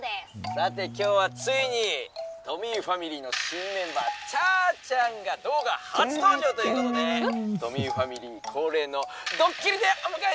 「さて今日はついにトミーファミリーの新メンバーちゃーちゃんが動画初登場ということでトミーファミリー恒例のドッキリでお迎えしたいと思います！」。